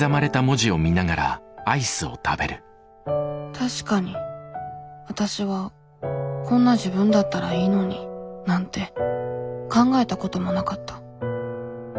確かにわたしは「こんな自分だったらいいのに」なんて考えたこともなかった。